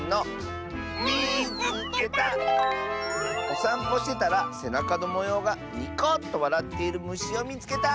「おさんぽしてたらせなかのもようがニコッとわらっているむしをみつけた！」。